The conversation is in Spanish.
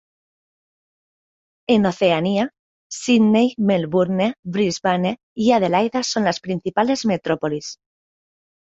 En Oceanía: Sídney, Melbourne, Brisbane y Adelaida son las principales metrópolis.